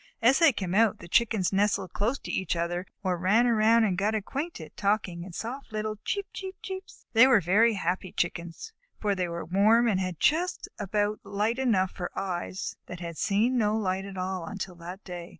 As they came out, the Chickens nestled close to each other or ran around a bit and got acquainted, talking in soft little "Cheep cheep cheeps." They were very happy Chickens, for they were warm and had just about light enough for eyes that had seen no light at all until that day.